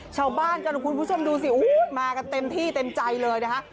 ชาวบ้านกันคุณผู้ชมดูสิมากันเต็มที่เต็มใจเลยนะฮะ